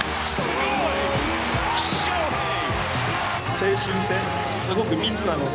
青春って、すごく密なので。